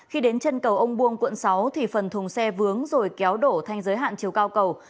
khi đến chân cầu ông buông quận sáu thì phần thùng xe vướng rồi kéo đổ thanh giới hạn chiều cao cầu